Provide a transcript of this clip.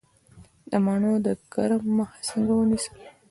د مڼو د کرم مخه څنګه ونیسم؟